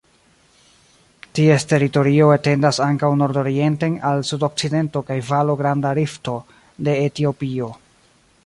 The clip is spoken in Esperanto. Ties teritorio etendas ankaŭ nordorienten al sudokcidento kaj valo Granda Rifto de Etiopio.